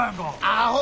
アホ！